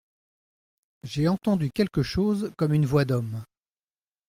J’ai entendu quelque chose comme une voix d’homme…